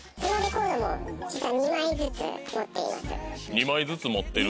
２枚ずつ持ってる？